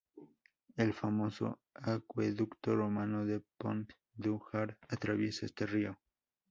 El famoso acueducto romano de "Pont du Gard" atraviesa este río.